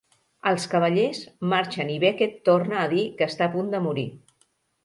Els cavallers marxen i Becket torna a dir que està a punt per morir.